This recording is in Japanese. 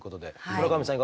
村上さん